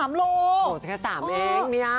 โอ้โฮจะแค่๓เองมีอ้าม